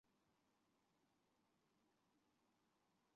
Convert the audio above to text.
小叶月桂为木犀科木犀属下的一个种。